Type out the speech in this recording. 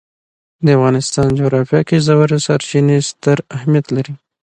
د افغانستان جغرافیه کې ژورې سرچینې ستر اهمیت لري.